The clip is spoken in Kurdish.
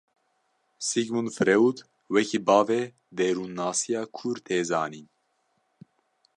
Sigmund Freud wekî bavê derûnnasiya kûr tê zanîn.